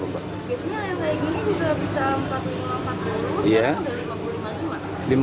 biasanya yang naik ini juga bisa rp empat puluh lima rp empat puluh